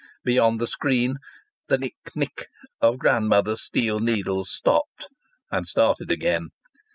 Beyond the screen the nick nick of grandmother's steel needles stopped and started again.